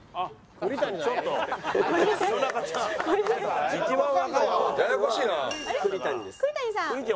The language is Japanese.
栗谷さん？